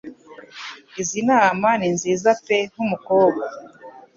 Izi nama ni nziza pe k'umukobwa